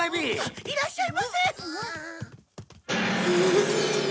いらっしゃいませ！